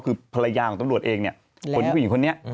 คือภรรยาของตำรวจเองเนี่ยคนผู้หญิงคนนี้